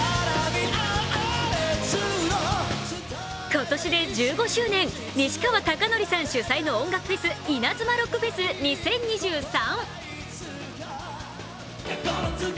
今年で１５周年、西川貴教さん主催の音楽フェスイナズマロックフェス２０２３。